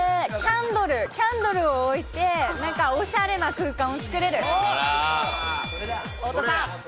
キャンドルを置いて、おしゃれな空間を作れる。